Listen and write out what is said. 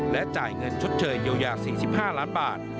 และจ่ายเงินชดเชยเยียวยา๔๕ล้านบาท